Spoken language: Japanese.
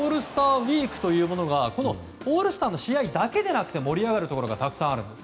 ウィークというものがオールスターの試合だけでなくて盛り上がるところがたくさんあるんです。